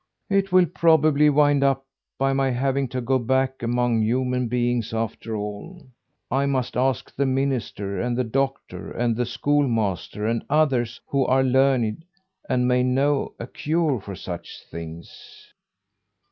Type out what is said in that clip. "It will probably wind up by my having to go back among human beings after all. I must ask the minister and the doctor and the schoolmaster and others who are learned, and may know a cure for such things."